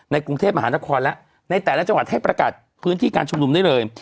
กรุงเทพมหานครแล้วในแต่ละจังหวัดให้ประกาศพื้นที่การชุมนุมได้เลย